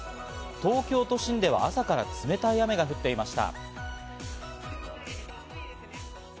東京都心では朝から冷たい雨が降っていました。